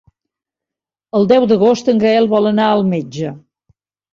El deu d'agost en Gaël vol anar al metge.